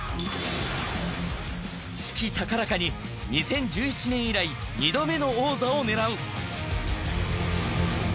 士気高らかに、２０１７年以来２度目の王座を狙う！